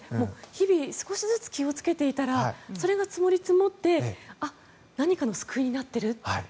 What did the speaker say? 日々、少しずつ気をつけていたらそれが積もり積もって何かの救いになってるって。